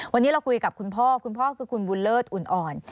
วันนี้เราคุยกับคุณพ่อคุณพ่อคือคุณบุญเลิศอุ่นอ่อน